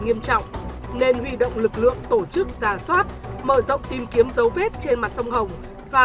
nghiêm trọng nên huy động lực lượng tổ chức ra soát mở rộng tìm kiếm dấu vết trên mặt sông hồng và